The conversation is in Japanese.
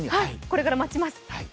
これから待ちます。